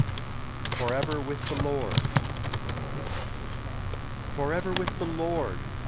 FOREVER WITH THE LORD. Forever with the Lord!